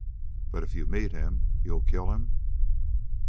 "But if you meet him you'll kill him?"